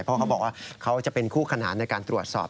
เพราะเขาบอกว่าเขาจะเป็นคู่ขนานในการตรวจสอบ